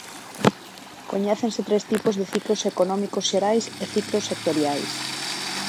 Coñécense tres tipos de ciclos económicos xerais e ciclos sectoriais.